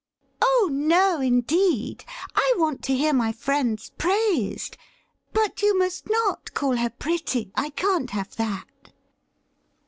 ' Oh no, indeed ; I want to hear my friends praised. But you must not call her pretty — I can't have that.'